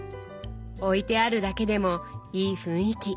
置いてあるだけでもいい雰囲気。